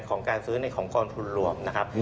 ของการซื้อในของกองทุนรวมนะครับ